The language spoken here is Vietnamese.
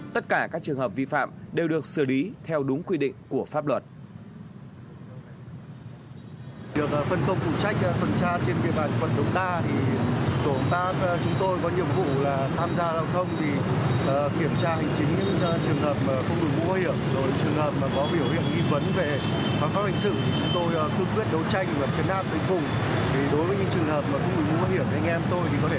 tất cả các trường hợp vi phạm đều được xử lý theo đúng quy định của pháp luật